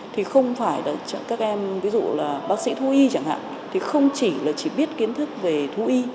thì không phải các em ví dụ là bác sĩ thu y chẳng hạn thì không chỉ là chỉ biết kiến thức về thu y